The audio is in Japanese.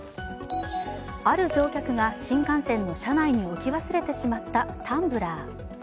ある乗客が新幹線の車内に置き忘れてしまったタンブラー。